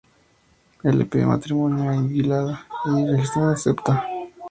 Él le pide matrimonio a Giuliana y resignada acepta, al no tener más opción.